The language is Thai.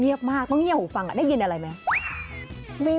เงียบมากต้องเงียบหูฟังได้ยินอะไรไหม